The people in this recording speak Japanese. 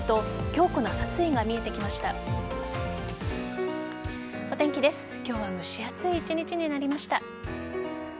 今日は蒸し暑い一日になりました。